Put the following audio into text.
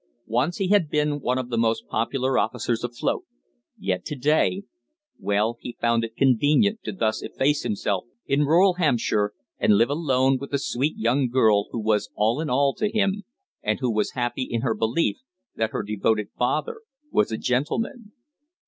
Once he had been one of the most popular officers afloat, yet to day well, he found it convenient to thus efface himself in rural Hampshire, and live alone with the sweet young girl who was all in all to him, and who was happy in her belief that her devoted father was a gentleman.